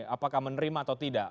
apakah menerima atau tidak